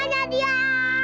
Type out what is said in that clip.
eh semuanya diam